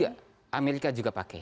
tidak amerika juga pakai